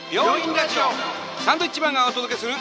サンドウィッチマンがお届けする。